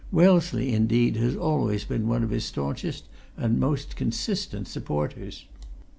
Wellesley, indeed, has always been one of his staunchest and most consistent supporters."